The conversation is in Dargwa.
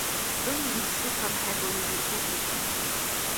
ХӀуни ил секӀал хӀебалули уилри.